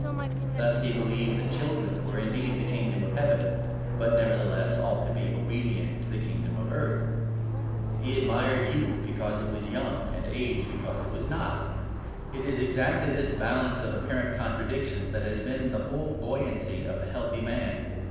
Thus he believed that children were indeed the kingdom of heaven, but nevertheless ought to be obedient to the kingdom of earth. He admired youth because it was young and age because it was not. It is exactly this balance of apparent contradictions that has been the whole buoyancy of the healthy man.